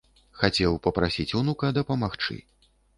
Хацеў прасіць унука дапамагчы.